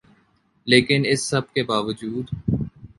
لیکن اس سب کے باوجود